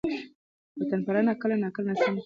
وطن پالنه کله ناکله ناسمه کارېږي.